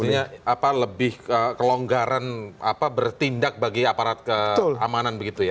artinya apa lebih kelonggaran bertindak bagi aparat keamanan begitu ya